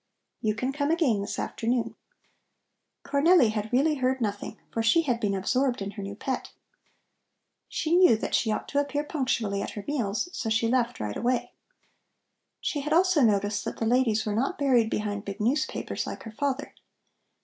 "You can come again this afternoon." Cornelli had really heard nothing, for she had been absorbed in her new pet. She knew that she ought to appear punctually at her meals, so she left right away. She had also noticed that the ladies were not buried behind big newspapers, like her father.